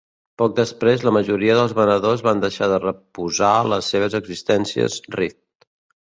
Poc després, la majoria dels venedors van deixar de reposar les seves existències Rift.